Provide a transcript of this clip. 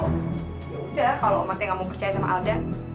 ya udah kalau om ate nggak mau percaya sama alda